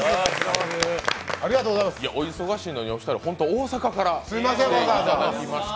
お忙しいのにお二人、大阪から来ていただきました。